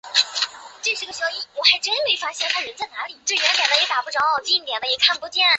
弗雷斯努瓦莱沙托人口变化图示